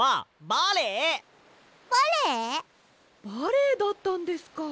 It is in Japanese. バレエだったんですか。